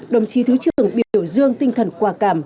đồng chí thứ trưởng biểu dương tinh thần quả cảm